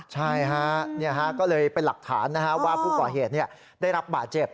ใช่ฮะเนี่ยฮะก็เลยเป็นหลักฐานนะฮะว่าผู้ก่อเหตุเนี่ยได้รับบาดเจ็บ